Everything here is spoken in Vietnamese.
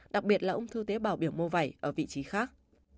đặc biệt là ung thư tế bào biểu mô vẩy ở vị trí khác